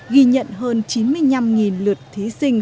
ghi nhận hơn chín mươi năm lượt thí sinh